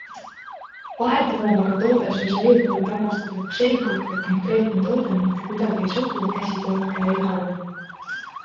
Vahel tuleb aga toode suisa e-poodi tagastada, kui selgub, et konkreetne toode mitte kuidagi ei sobi ja käsi sellega ei harju.